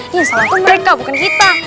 yang salah tuh mereka bukan kita